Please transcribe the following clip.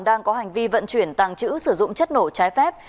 đang có hành vi vận chuyển tàng trữ sử dụng chất nổ trái phép